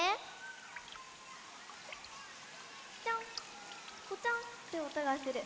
ピチャンポチャンっておとがする。